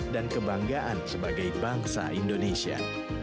kebanggaan sebagai bangsa indonesia